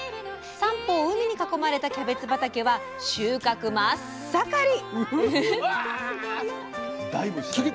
三方を海に囲まれたキャベツ畑は収穫真っ盛り！